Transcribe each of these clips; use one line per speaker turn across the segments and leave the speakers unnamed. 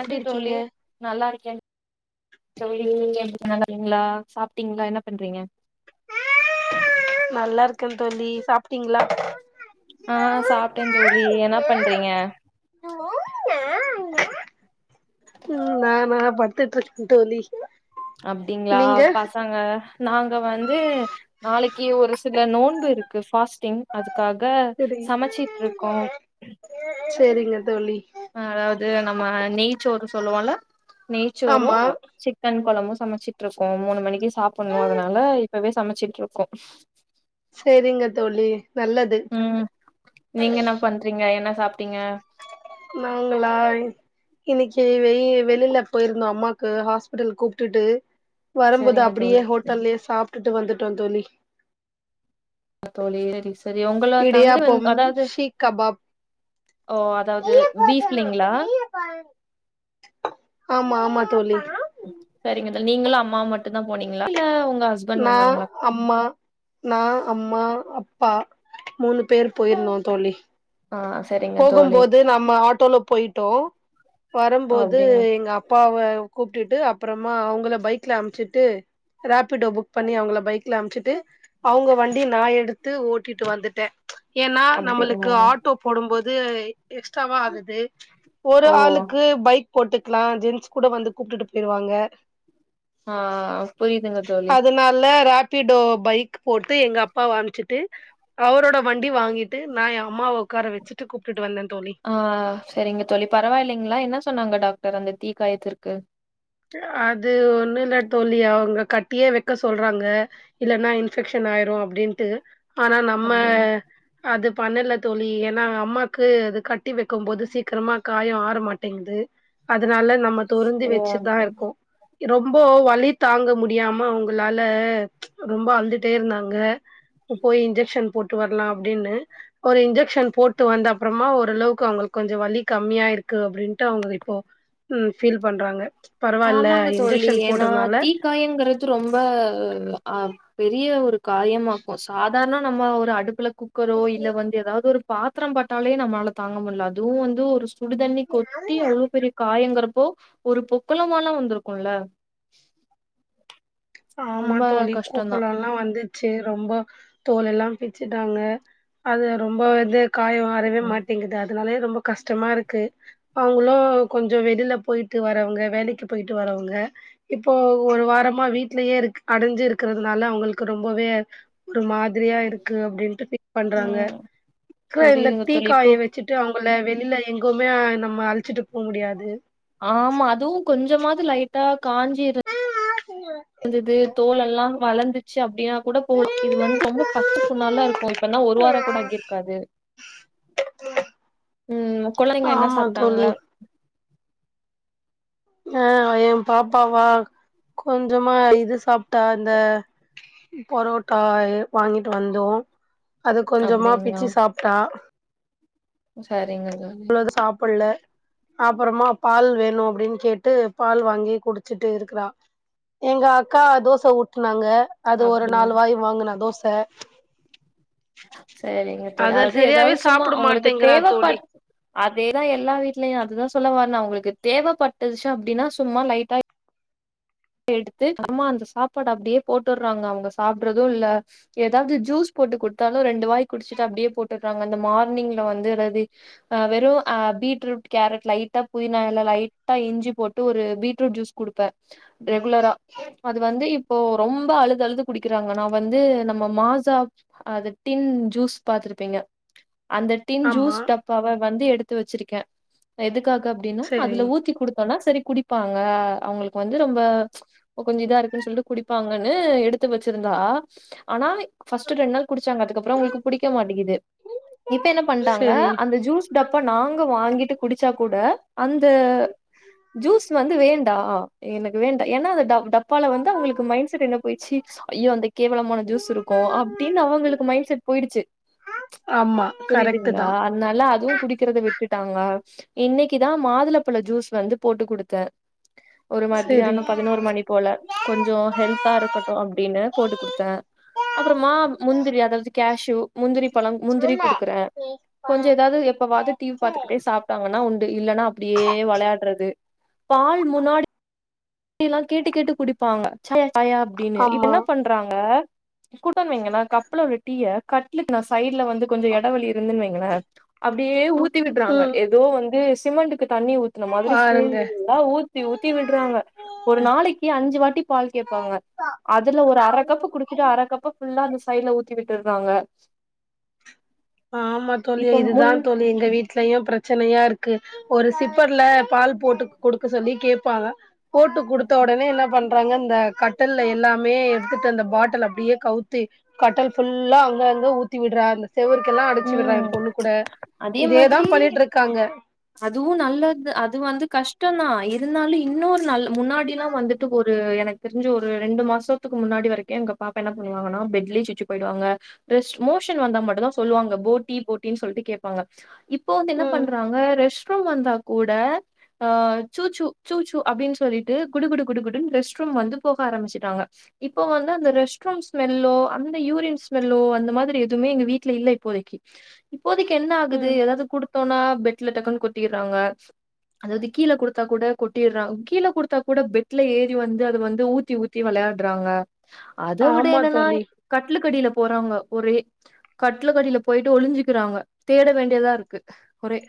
எப்டி
தோழி
இருக்கீங்க
நல்லா இருக்கேன் [inaudible] [unintelligible] சாப்ட்டீங்களா என்ன பண்றீங்க
நல்லா இருக்கேன் தோழி சாப்ட்டீங்களா
ஆ சாப்ட்டே தோழி என்ன பண்றீங்க
[unintelligible] நான்னா படுத்துட்டுருக்கே தோழி
அப்டிங்களா
நீங்க
பசங்க நாங்க வந்து நாளைக்கு ஒரு சில நோன்பு இருக்கு பாஸ்டிங் அது காக
செரி
சமைச்சிட் இருக்கோம்
செரிங்க தோழி
அ அது நம்ம நெய் சோறு சொல்லுவோலா நெய்சோறு
ஆமா
சிக் சிக்கண் கொழம்பு சமைச்சிட்டு இருக்கோ மூணு மணிக்கு சாப்புணு அதனால இப்பவே சமைச்சிட்டு இருக்கோ
சேரிங்க தோழி நல்லது
ம் நீங்க என்ன பண்றீங்க என்ன சாப்ட்டீங்க
நாங்களாய் இன்னிக்கி வெளி வெளில போய்ருந்தோ அம்மாக்கு ஆஸ்பிட்டல் கூப்ட்டுட்டு வரும்போது
சரிங்க தோழி
அப்டியே ஹோட்டல்லயே சாப்ட்டுட்டு வந்துட்டோ தோழி
தோழி செரி செரி உங்கள தங்குறன்
இடியாப்பம்
அதாது
ஷீக் கபாப்
ஓ அதாவ்து பீஃப் இல்லிங்களா
ஆமா ஆமா தோழி
செரிங்க தோழி நீங்களு அம்மாவு மட்டு தா போனிங்களா இல்ல உங்க அஸ்
மா அம்மா நா அம்மா அப்பா மூணு பேரு போயிருந்தோ தோழி
ஆ செரி
போகும்போது நம்ம ஆட்டோல போய்ட்டோ
ஓ
வரும்போது
அப்டிங்களா
எங்க அப் அப்பாவ கூப்ட்டுட்டு அப்றமா அவுங்கள பைக்ல அம்சிட்டு ராபிடோ புக் பண்ணி அவுங்கள பைக்ல அம்சிட்டு அவுங்க வண்டி நா எடுத்து ஓட்டிட்டு வந்துட்டே ஏனா நம்மளுக்கு
அப்டிங்களா
ஆட்டோ போடும்போது எக்ஸ்ட்டாவா ஆகுது ஒரு
ஓ
ஆளுக்கு பைக் போட்டுக்கலா ஜென்ஸ் கூட வந்து கூப்ட்டுட்டு போய்ருவாங்க
ஆ புரிதுங்க தோழி
நால ராப் ராபிடோ பைக் போட்டு எங்க அப்பா அம்சிட்டு அவரோட வண்டி வாங்கிட்டு நா எ அம்மாவ உக்கார வெச்சுட்டு கூப்ட்டுட்டு வந்த தோழி
ஆ செரிங்க தோழி பரவா இல்லைங்ளா என்ன சொன்னாங்க டாக்டர் அந்த தீ காயத்திற்க்கு
அது ஒன்னு இல்ல தோழி அவுங்க கட்டியே வெக்க சொல்றாங்க இல்லன்னா இன்ஃபெக்க்ஷன் ஆயிரு அப்டின்ட்டு ஆனா நம்ம
அப்டின்னு
அது பண்ணல தோழி எனா அம்மாக்கு அது கட்டி வெக்கிம் போது சீக்ரமா காயோ ஆற மாட்டேங்குது அதனால நம்ம தொருந்து வெச்சுட்தா
ஓ
இருக்கோ ரொம்போ வலி தாங்க முடியாம அவுங்களால ரொம்ப அழுதுட்டே இருந்தாங்க போய் இன்ஜெக்க்ஷன் போட்டு வர்லா அப்டின்னு ஒரு இன்ஜெக்க்ஷன் போட்டு வந்த அப்றமா ஓரளவுக்கு அவுங்குள்க் கொஞ்சோ வலி கம்மியாயிருக்கு அப்டின்ட்டு அவுங்க இப்போ ம் ஃபீல் பண்றாங்க பரவால்ல
ஆமாங்க தோழி
இன்ஜெக்ஷன்
ஏனா
போட்டதுனால
தீக்காயங்கறது ரொம்ப அ பெரிய ஒரு காயமாக்கு சாதாரண நம்ம ஒரு அடுப்புல குக் குக்கரோ இல்ல வந்து ஏதாவுது ஒரு பாத்ரோ பட்டாலே நம்ளால தாங்க முட்ல அதுவு வந்து ஒரு சு சுடுதண்ணி கொட்டி அவ்வுளோ பெரிய காயங்குறப்போ ஒரு பொக்களமால வந்துருக்கும்ல
ஆமா
ரொம்ப
தோழி
கஷ்டந்தா
குப்புளல்லா வந்து சி ரொம்ப தோல் எல்லா பிச்சிட்டாங்க அது ரொம்ப இது காயோ ஆறவே மாட்டேங்குது அதனாலயே ரொம்ப கஷ்டமாருக்கு அவுங்களு கொஞ்சோ வெளில போய்ட்டு வரவங்க வேலைக்கு போய்ட்டு வரவங்க இப்போ ஒரு வாரமா வீட் விட்லயே இருக் அடஞ்சு இருக்குறதுனால அவுங்குள்க்கு ரொம்பவே ஒரு மாதிரியா இருக்கு அப்டின்ட்டு ஃபீல் பண்றாங்க
ம்
இப்ப
புரியுதுங்க
தீ
தோழி இப்போ
காய வெச்சிட் ட்டு அவுங்கள வெளில எங்கவுமே நம்ம அழச்சிட்டு போ முடியாது
ஆமா அதுவு கொஞ்சமாது லைட்டா காஞ்சி இருந்
[unintelligible]
வந்துது தோல் எல்லா வளந்துச்சு அப்டினா கூட போலா இது வந்து ரொம்ப பச்ச புண்ணாலா இருக்கு இப்பனா ஒரு வாரோ கூட ஆகிருக்காது ம் கொழந்திங்க என்ன
ஆமா
சாப்ட்டாங்க
தோழி ஆ எ பாப்பாவா கொஞ்சமா இது சாப்பிட்டா இந்த புரோட்டா வாங்கிட்டு வந்தோம் அது கொஞ்சமா
அப்டிங்களா
பிச்சி சாப்பிட்டா
சரிங்கங்க
சாப்பிடல அப்புறமா பால் வேணும் அப்டின்னு கேட்டு பால் வாங்கி குடிச்சுட்டு இருக்கிறா எங்க அக்கா தோச ஊட்டுனாங்க அது ஒரு
அப்டிங்க
நாலு வாய் வாங்னா தோச
சரிங்க தோழி
அத
அதாவது
சரியாவே
ஏதாவது சும்மா
சாப்புட
அவங்களுக்கு
மாட்டேங்கிறா தோழி
தேவைப்பட் அதேதா எல்லா வீட்லயும் அதுதா சொல்ல வர அவங்களுக்கு தேவைப்பட்டதுச்சி அப்டின்னா சும்மா லைட்ட எடுத்து அம்மா அந்த சாப்பாடு அப்டியே போட்டுறாங்க அவங்க சாப்றதும் இல்ல ஏதாவது ஜூஸ் போட்டு கொடுத்தாலும் ரெண்டு வாய் குடிச்சுட்டு அப்டியே போட்டுறாங்க அந்த மார்னிங்ல வந்து அதாவது ஆ வெறும் பீட்ரூட் கேரட் லைட்டா புதினா இலை லைட்டா இஞ்சி போட்டு ஒரு பீட்ரூட் ஜூஸ் குடுப்பேன் ரெகுலரா அது வந்து இப்போ ரொம்ப அழுது அழுது குடிக்கிறாங்க நா வந்து நம்ம மாசா அது டின் ஜூஸ் பாத்துருப்பீங்க அந்த டின்
ஆமா
ஜூஸ் டப்பாவ வந்து எடுத்து வச்சிருக்கேன் எதுக்காக அப்டின்னா
செரி
அதுல ஊத்தி குடுத்தோம்னா செரி குடிப்பாங்க அவங்களுக்கு வந்து ரொம்ப கொஞ்சம் இதா இருக்குன்னு சொல்லிட்டு குடிப்பாங்கன்னு எடுத்து வச்சிருந்தா ஆனா ஃபஸ்ட் ரெண்டு நாள் குடிச்சாங்க அதுக்கப்புறம் அவுங்களுக்கு பிடிக்க மாட்டேங்குது இப்ப என்ன பண்ட்டாங்க
செரி
அந்த ஜூஸ் டப்பா நாங்க வாங்கிட்டு குடிச்சா கூட அந்த ஜூஸ் வந்து வேண்டாம் எனக் வேண்டா ஏன்னா அந்த டப் டப்பால வந்து அவங்களுக்கு மைண்ட் செட் என்ன போயிச்சு ஐயோ அந்த கேவலமான ஜூஸ் இருக்கும் அப்டின்னு அவங்களுக்கு மைன்ட் செட் போயிடுச்சி
ஆமா கரெக்ட்டு
புரியுதுங்களா
தா
அத்னால அதுவும் குடிக்கிறத விட்டுட்டாங்க இன்னைக்குதா மாதுளப்பழ ஜூஸ் வந்து போட்டு கொடுத்தேன் ஒரு மா
செரி
பதினோரு மணி போல கொஞ்சம் ஹெல்தா இருக்கட்டும் அப்டின்னு போட்டு கொடுத்தே அப்புறம் மா முந்திரி அதாவது கேஷு முந்திரி பழம் முந்திரி குடுக்குறே கொஞ்ச ஏதாவது எப்பவாது டிவி பாத்துக்கிட்டே சாப் டாங்கன உண்டு இல்லன்னா அப்டியே விளையாட்றது பால் முன்னாடி ல்லாம் கேட்டு கேட்டு குடிப்பாங்க சாயா அப்டின்னு இப்ப
ஆமா
என்ன பண்றாங்க கூட்ட வீங்கன்னா கப்புல உள்ள டீ ய கட்லக்கு நா சைட்ல வந்து கொஞ்சம் எடைவெளி இருந்துன்ன வைங்களேன் அப்டியே ஊத் த்தி விடுறாங்க
ம்
ஏதோ வந்து சிமிண்ட்டுக்கு தண்ணி ஊத் த்தன மாறி
பாருங்க
ஃபுல்லா ஊத்தி ஊத்தி விடுறாங்க ஒரு நாளைக்கு அஞ்சு வாட்டி பால் கேட்பாங்க அதுல ஒரு அரை கப்பு குடிச்சுட்டு அரை கப்பு ஃபுல்லா அந்த சைடுல ஊத்தி விட்டுறாங்க
ஆமா தோழி
இப்ப
இதுதா
முன்
தோழி எங்க வீட் வீட்லயும் பிரச்சனையா இருக்கு ஒரு சிப்பர்ல பால் போட்டு குடுக்க சொல்லி கேட்ப போட்டு குடுத்த உடனே என்ன பண் பறாங்க இந்த கட்டல்ல எல்லாமே எடுத்துட்டு அந்த பாட்ல அப்டியே கவுத்தி கட்டல் ஃபுல்லா அங்க அங்க ஊத்தி விடீறா அந்த செவரு எல்லாம் அடிச்சு விடுறே எ
ம்
பொண்ணு கூட இதேதா பண்ணிட்டு இருக்காங்க
அதுவும் நல்லது அது வந்து கஷ்டம் தா இருந்தாலும் இன்னொரு நல் முன்னாடி எல்லாம் வந்துட்டு ஒரு எனக் தெரிஞ்சு ஒரு ரெண்டு மாசத்துக்கு முன்னாடி வரைக்கும் எங்க பாப்பா என்ன பண்ணுவாங்கன்னா பெட்லேயே சுச்சு போயிடுவாங்க ரெஸ் மோஷன் வந்தா மட்டும் தா சொல்லுவாங்க போட்டி போட்டின்னு சொல்லிட்டு கேப்பாங்க இப் இப்போ வந்து என்ன
ம்
பண்றாங்க ரெஸ்ட் ரூம் வந்தா கூட அ சூச்சு சூச்சு அப்டின்னு சொல்லிட்டு குடு குடு குடு குடுன்னு ரெஸ்ட் ரூம் வந்து போக ஆரம்பிச்சசிட்டாங்க இப்போ வந்து அந்த ரெஸ்ட் ரூம் ஸ்மெல்லோ அந்த யூரின் ஸ்மெல்லோ அந்த மாதிரி எதுமே எங்க வீட்டு்ல இல்ல இப்போதைக்கி இப்போதைக்கி என்ன ஆகுது
ம்
ஏதாது குடுத்தோனா பெட்ல டக்குன்னு கொட்டிறாங்க அதாவது கீழ கொடுத்தா கூட கொட்டிடுறாங்க கீழ குடுத்தா கூட பெட்ல ஏறி வந்து அத வந்து ஊத்தி ஊ த்தி வெளையாடறாங்க அத விட
ஆமா
என்னன்னா
தோழி
கடலுக்கடில போறாங்க ஒரே கட்லுக்கு அடில போயிட்டு ஒளிஞ்சுக்கிறாங்க தேட வேண்டியதா இருக்கு ஒரே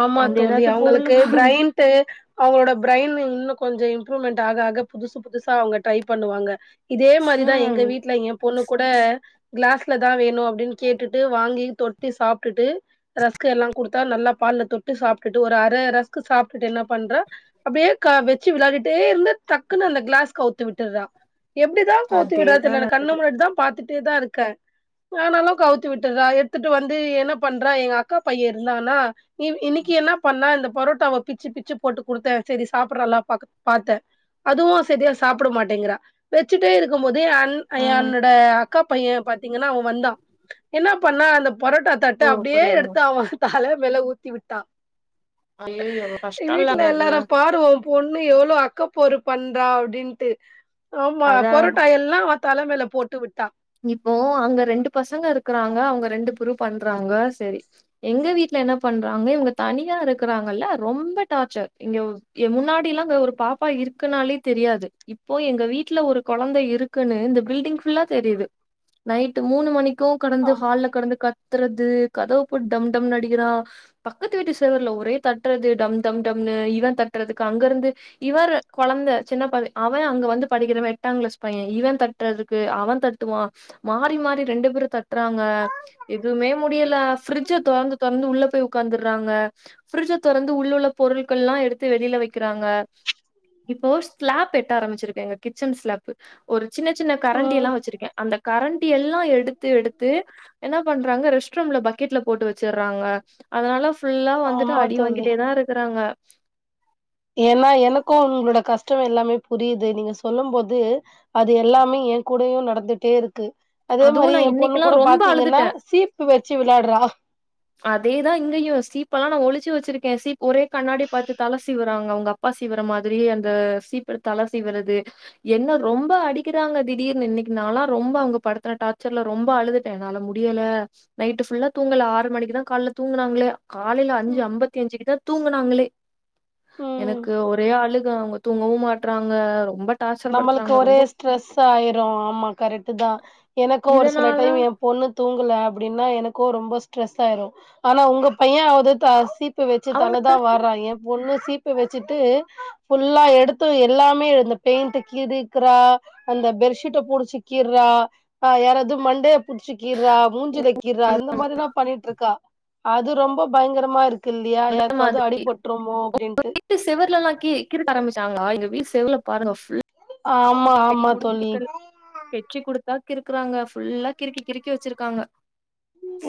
ஆமா
அந்த
தோழி
ஏதாவது பொருளு
அவங்களுக்கு பிரைன் ட்டு அவங்களோட பிரைன் இன்னு கொஞ்சோ இம்ப்ரூவ்மெண்ட் ஆக ஆக புதுசு புதுசா அவங்க ட்ரை பண்ணுவாங்க இதே மாரிதா எங்க
ம்
வீட்ல எ பொண்ணு கூட கிளாஸ்லதா வேணு அப்டின்னு கேட்டுட்டு வாங்கி தொத்தி சாப்ட்டுட்டு ரஸ்கு எல்லா குடுத்தா நல்லா பால்ல தொட்டு சாப்ட்டுட்டு ஒரு அரை ரஸ்கு சாப்ட்டுட்டு என்ன பண்றா அப்டியே க வெச்சு விளையாடிட்டே இருந்து டக்குன்னு அந்த கிளாஸ் கவுத்து விட்டுறா எப்டி தா கவுத்து விடாற
அதேதா
தெரில நா கண்ண
நடக்குது
முன்னட்டு தா பாத்துட்டே தா இருக்க ஆனாலு கவுத்து விட்டுறா எடுத்துட்டு வந்து என்ன பண்றா எங்க அக்கா பையே இருந்தானா இ இன்னக்கி என்ன பண்ணா இந்த பரோட்டாவ பிச்சு பிச்சு போட்டு குடுத்தே செரி சாப்டுராலா பாக் பாத்தே அதுவு செரியா சாப்ட மாட்டேங்றா வச்சுட்டே இருக்கு போது அன்
ம்
என்னட அக்கா பையே பாத்தீங்கன்னா அவே வந்தா என்ன பண்ணா அந்த பரோட்டா தட்ட
ஓ
அப்டியே
புரியுதுங்க
எடுத்து அவ தல மேல ஊத்தி விட்டா
ஐயையோ
வீட்டுல
கஷ்டோல்லங்க அது
எல்லாரு பாரு உ பொண்ணு எவ்ளோ அக்கப்போரு பண்றா அப்டின்ட்டு ஆமா
அதா
பொரோட்டா எல்லா தலமேல போட்டு விட்ட
இப்போ அங்க ரெண்டு பசங்க இருக்றாங்க அவங்க ரெண்டு புரு பண்றாங்க செரி எங்க வீட்ல என்ன பண்றாங்க இவங்க தனியா இருக்கறாங்கல்ல ரொம்ப டாச்சர் இங்க எ முன்னாடிலா அங்க ஒரு பாப்பா இருக்குனாலே தெரியாது இப்போ எங்க வீட்ல ஒரு கொழந்த இருக் குனு இந்த பில்டிங் ஃபுல்லா தெரியுது நைட் மூணு மணிக்கு
ஆ
கடந்து ஹால்ல கடந்து கத்றது கதவ போட்டு டம்டம்னு அடிக்றா பக்கத்து வீட்டு செவிர்ல ஒரே தட்றது டம் டம் டம்னு இவன் தட்டுறதுக்கு அங்க இருந்து இவர் கொழந்த சின்ன ப அவ அங்க வந்து படிக்கிறவ எட்டா கிளாஸ் பையே இவ தட்டுறதுக்கு அவ தட் ட்டுவா மாறி மாறி ரெண்டு பேரு தட்றாங்க எதுவுமே முடியல ஃபரிட்ஜ தோறந்து தோறந்து உள்ள போயி உக்காந்துறாங்க ஃபிரிஜ தொறந்து உள்ள உள்ள பொருள்கள் எல்லா எடுத்து வெளில வெக்கிறாங்க இப்போ ஸ்லாப் எட்ட ஆரம்பிச்சிருக்கே எங்க கிச்சன் ஸ்லாப் ஒரு சின்ன சின்ன கரண்டி
ம்
எல்லா வச்சிருக்கே இந்த கரண்ட்டி எல்லா எடுத்து எடுத்து என்ன பண்றாங்க ரெஸ்ட்ரூம்ல பக்கெட்ல போட்டு வச்சறாங்க அதனால ஃபுல்லா வந்துட்டு
ஆமா
அடி
தோழி
வாங்கிட்டே தா இருக்றாங்க
ஏனா எனக்கு உங்களோட கஷ்டோ எல்லாமே புரியுது நீங்க சொல்லு போது அது எல்லாமே எ கூடயு நடந்துட்டே இருக்கு அதே
அதுவும்
மாரி
நான்
எ பொண்ணு
இன்னைக்கெல்லாம்
கூட
ரொம்ப அழுதுட்டேன்.
பாத்தீங்கனா சீப்பு வச்சி விளையாடுறா
அதேதா இங்கேயு சீப்பெல்லா நா ஒழிச்சி வச்சிருக்கே சீப் ஒரே கண்ணாடி பாத்து தல சிவறாங்க அவங்க அப் பா சீவற மாதிரியே அந்த சீப்பெடுத்து தல சிவுறது என்ன ரொம்ப அடிக்கிறாங்க திடீர்னு இன்னக்கி நாலா ரொம்ப அவங்க படுத்துன டார்ச்சர்ல ரொம்ப அழுது என்னால முடியல நைட் புல்லா தூங்கல ஆறு மணி க்குதா கால தூங்குனாங்களே காலைல அஞ்சு
ம்
அம்பத்தி அஞ்சுக்கு தா தூங்குனாங்களே
ம்
எனக்கு ஒரே அழுக அவ்ங்க தூங்கவு மாட்றாங்க ரொம்ப டார்ச்சர்
நம்மளுக்கு
படுத்துறாங்க
ஒரே
ரொம்ப
ஸ்ட்ரெஸ் ஆயிரு ஆமா கரெக்ட் தா எனக்கு ஒரு சில
இதனால
டைம் எ பொண்ணு தூங்கல அப்டின்னா எனக்கோ ரொம்ப ஸ்ட்ரெஸ் ஆயிரு ஆனா உங்க பைய ஆவ்து தா சீப் பு வச்சி
அவங்க
தல தா வார்றா என் பொண்ணு சீப் பு வெச்சிட்டு ஃபுல்லா எடுத்து எல்லாமே இந்த பெயிண்ட்ட கீறிக்கிறா அந்த பெட்ஷீட்ட புடிச்சி கீர்றா அ யாராவ்து மண்டே புடிச்சி கீர்றா மூஞ்சில கீர்றா அந்த மாரிலா பண்ணிட்ருக்கா அது ரொம்ப பயங்கரமா இருக் குல்லியா யாருக்காவ்து அடிபட்ருமோ அப்டின்ட்டு
ட்டி செவர்லல்லா கீ கிறுக்க ஆரம்பிஷ்சாங்களா எங் வீட் செவர்ல பாருங்க ஃபுல்
ஆமா
பெரிய
ஆமா
புடுக்கி
தோழி
[inaudible] கெச்சு குடுத்தா கிறுக்குறாங்க ஃபுல்லா கிறுக்கி கிறுக்கி வச்சிருக்காங்க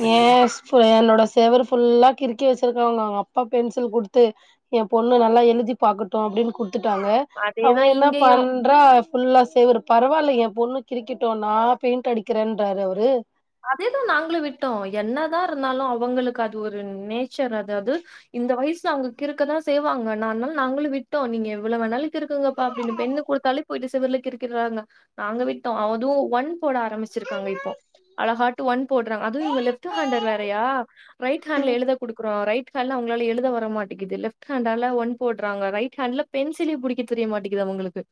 யேஸ் என்னோட செவுரு ஃபுல்லா கிறுக்கி வச்சிருக்காங்க அவங்க அப்பா பென்சில் குடுத்து என் பொண்ணு நல்லா எழுதி பாக்கட்டு அப்டின் குத்துட்டாங்க அவ
அதேதா
என்ன
இங்கயு
பண்றா ஃபுல்லா செவுரு பரவால்ல என் பொண்ணு கிறிக்கிட்டோ நா பெயிண்ட் அடிக்கிறேன்பாரு அவுரு
அதேதா நாங்களு விட்டோ என்னதா இருந்தாலு அவங்களுக்கு அது ஒரு நேச்சர் அதாவ்து இந்த வய்சு அவங்க கிருக்கதா செய்வாங்க அன்ன அன்னால் நாங்களு விட்டோ நீங்க எவ்ளோ வேணாலு கிறுக்குங்கப்பா அப்டின்னு பென்னு குடுத்தாலே போயிட்டு செவுர்ல கிறுக்கிறாங்க நாங்க விட்டோ அதுவு ஒன் போட ஆரம்பிச்சிருக்காங்க இப்போ அழகாட்டு ஒன் போட்றாங் அதுவு இவங்க லெஃப்ட்டு ஹேண்டர் வேறயா ரைட் ஹேண்ட்ல எழுத குடுக்குறோ ரைட் ஹேன்ட்லா அவங்களால எழுத வர மாட்டிக்குது லெஃப்ட் ஹேண்ட்டால ஒன் போட்றாங்க ரைட் ஹேண்ட்ல பென்சிலே புடிக்க தெரிய மாட்டிக்கிது அவங்குளுக்கு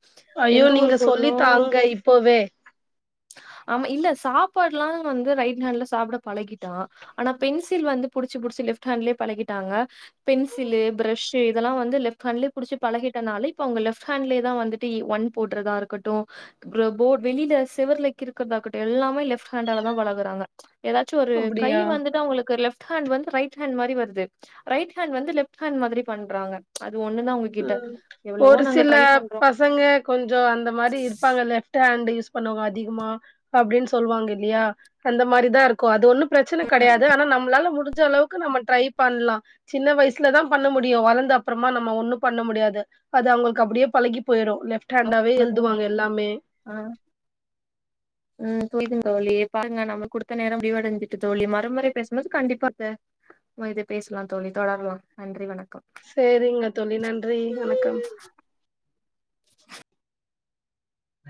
ஐயோ நீங்க சொல்லி தாங்க இப்பவே
ஆமா இல்ல சாப்பாட்லா வந்து ரைட் ஹேண்ட்ல சாப்ட பழகிட்டா ஆனா பென்சில் வந்து புடிச்சு புடிச்சு லெஃப்ட் ஹேண்ட்லயே பழகிட்டாங்க பென்சில்லு பிரஷ்ஷூ இதெல்லா வந்து லெஃப்ட் ஹேண்ட்லய புடிச்சி பழகிட்டனால இப்ப அவங்க லெஃப்ட் ஹேண்ட்லயே தா வந்து ட்டு ஒன் போட்றதா இருக்கட்டு அப்றோ போர்ட் வெளில செவருல கிறுக்கிறதா இருக்கட்டு எல்லாமே லெஃப்ட் ஹேண்டால தா பழகுறாங்க எதாச்சு ஒரு கை
அப்டியா
வந்துட்டு அவங்களுக்கு லெஃப் ட் ஹேண்ட் வந்து ரைட் ஹேண்ட் மாரி வருது ரைட் ஹேண்ட் வந்து லெஃப்ட் ஹேண்ட் மாதிரி பண்றாங்க அது ஒன்னு தா அவங் கிட்ட
ம்
எவ்ளவோ
ஒரு
நாங்க
சில
ட்ரை பண்றோ
பசங்க கொஞ்சோ அந்த மாரி இருப்பாங்க லெஃப்ட் ஹேண்ட் யூஸ் பண்ணவங்க அதிகமா அப்டின் சொல்வாங்க இல்லையா அந்த மாரிதா இருக்கோ அது ஒண்ணு பிரச்சன கடயாது ஆனா நம்ளால முடிஞ்ச அளவுக்கு நம்ம ட்ரை பண்லா சின்ன வயசுலதா பண்ண முடியு வளந்த அப்புறமா நம்ம ஒண்ணு பண்ண முடியாது அது அவங்களுக்கு அப்டியே பழகி போய்ரோ லெஃப்ட் ஹேண்டாவே எழுதுவாங்க எல்லாமே
ஆ ம் புரியதுங் தோழி பாருங்க நம்மக் குடுத்த நேரம் முடிவடஞ்சிட்டு தோழி மறுமுறை பேசும்போது கண்டிப்பா பே இனிதே பேசலா தோழி தொடர்லா நன்றி வணக்கம்
சேரிங்க தோழி நன்றி வணக்கம்